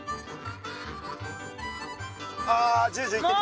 ああジュジュ言ってる。